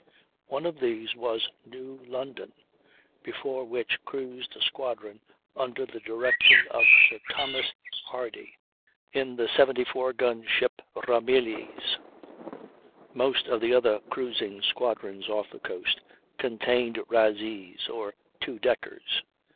One of these was New London, before which cruised a squadron under the direction of Sir Thomas Hardy, in the 74 gun ship Ramillies. Most of the other cruising squadrons off the coast contained razees or two deckers.